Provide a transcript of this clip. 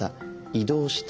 移動した。